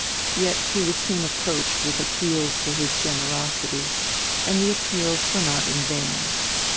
Yet he was soon approached with appeals to his generosity, and the appeals were not in vain.